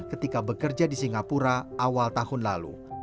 ketika bekerja di singapura awal tahun lalu